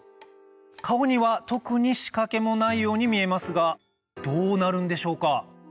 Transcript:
顔には特に仕掛けもないように見えますがどうなるんでしょうか？